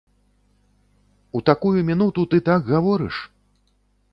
У такую мінуту ты так гаворыш?